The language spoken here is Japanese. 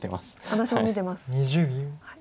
私も見てます。